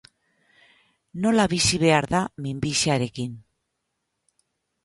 Nola bizi behar da minbiziarekin.